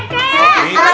lebih baik santriwati